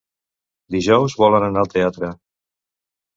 Dijous volen anar al teatre.